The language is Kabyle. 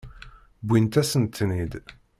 Wwint-asent-ten-id.